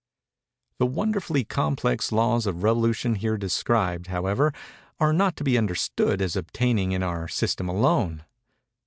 The wonderfully complex laws of revolution here described, however, are not to be understood as obtaining in our system alone.